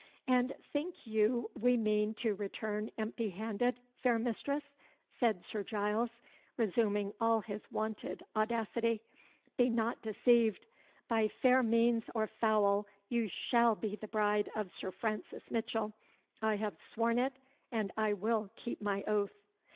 "And think you we mean to return empty handed, fair mistress?" said Sir Giles, resuming all his wonted audacity. "Be not deceived. By fair means or foul you shall be the bride of Sir Francis Mitchell. I have sworn it, and I will keep my oath!"